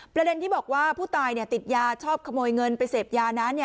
ประเด็นที่บอกว่าผู้ตายติดยาชอบขโมยเงินไปเสพยานั้น